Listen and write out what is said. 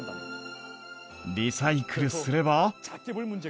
リサイクルすれば。